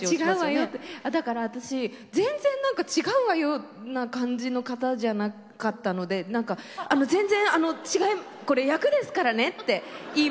だから私全然何か違うわよな感じの方じゃなかったので何かあの全然これ役ですからねって言いました。